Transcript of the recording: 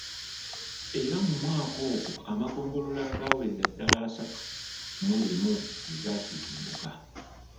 Era mu mwaka ogwo amagombolola agawerera ddala asatu mu limu ge gaakiika embuga.